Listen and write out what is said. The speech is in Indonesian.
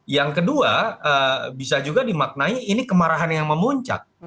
yang kedua bisa juga dimaknai ini kemarahan yang memuncak